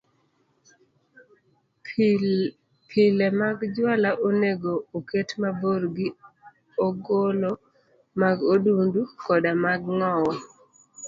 Pile mag juala onego oket mabor gi ogolo mag odundu koda mag ng'owo.